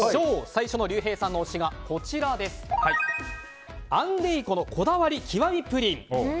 最初のりゅうへいさんの推しがアンデイコのこだわり極プリン。